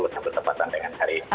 sempat sempat dengan hari ini